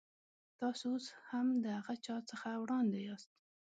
تاسو اوس هم د هغه چا څخه وړاندې یاست.